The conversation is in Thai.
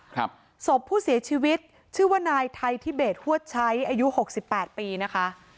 ศพผู้เสียชีวิตชื่อว่านายไทยทิเบศฮวดใช้อายุหกสิบแปดปีนะคะ